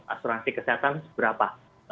asuransi kesehatan berapa